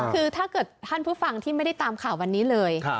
คือถ้าเกิดท่านผู้ฟังที่ไม่ได้ตามข่าววันนี้เลย